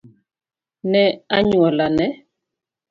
ne anyuolane